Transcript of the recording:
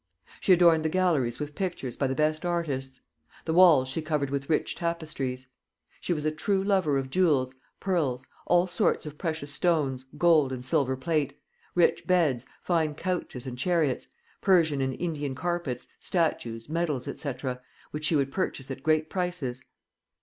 She adorned the galleries with pictures by the best artists; the walls she covered with rich tapestries. She was a true lover of jewels, pearls, all sorts of precious stones, gold and silver plate, rich beds, fine couches and chariots, Persian and Indian carpets, statues, medals, &c. which she would purchase at great prices.